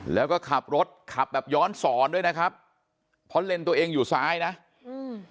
แล้วก็ขับรถขับแบบย้อนสอนด้วยนะครับเพราะเลนส์ตัวเองอยู่ซ้ายนะอืม